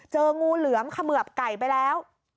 งูเหลือมเขมือบไก่ไปแล้ว